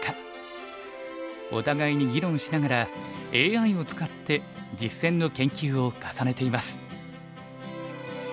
お互いに議論しながらＡＩを使って実戦の研究を重ねています。